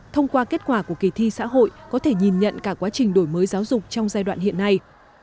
thông qua kết quả của kỳ thi xã hội có thể nhìn nhận cả quá trình đổi mới giáo dục trong giai đoạn hiện nay